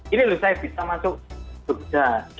ini loh saya bisa masuk jogja